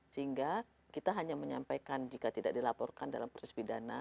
sehingga kita hanya menyampaikan jika tidak dilaporkan dalam proses pidana